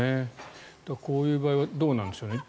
こういう場合はどうなんでしょうね